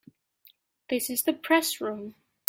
This is the Press Room.